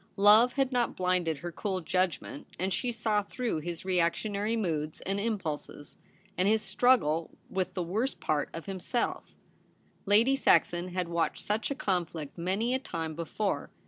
Love had not blinded her cool judgment, and she saw through his reactionary moods and im pulses, and his struggle with the worst part of himself; Lady Saxon had watched such a conflict many a time before.